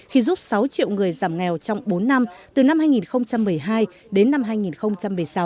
khi giúp sáu triệu người giảm nghèo trong bốn năm từ năm hai nghìn một mươi hai đến năm hai nghìn một mươi sáu